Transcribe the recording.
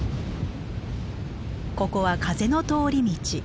ここは風の通り道。